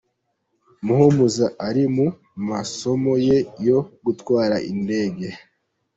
Muhumuza ari mu masomo ye yo gutwara indege.